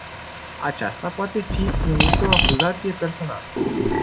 Aceasta poate fi numită o acuzație personală.